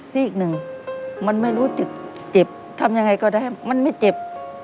ที่อีกหนึ่งมันไม่รู้เจ็บทำอย่างไรก็ได้มันไม่เจ็บ